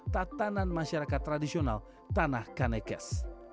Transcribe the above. tatanan masyarakat tradisional tanah kanekes